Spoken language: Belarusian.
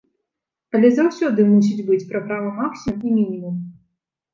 Але заўсёды мусіць быць праграма максімум і мінімум.